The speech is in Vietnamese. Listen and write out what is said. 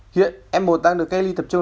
hiện f một đang được cách ly tập trung